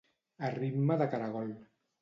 A ritme de caragol.